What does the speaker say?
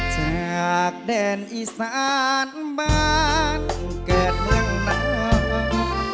จากแดนอีสานบ้านแก่เฮียงน้ำ